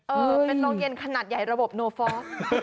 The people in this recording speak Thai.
เป็นโรงเย็นขนาดใหญ่ระบบโนฟอร์ก